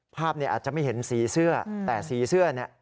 ภาพเนี่ยอาจจะไม่เห็นสีเสื้อแต่สีเสื้อเนี่ย